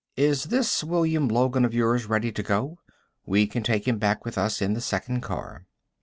Is this William Logan of yours ready to go? We can take him back with us in the second car."